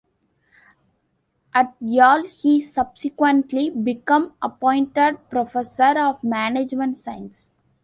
At Yale he subsequently became appointed Professor of Management science.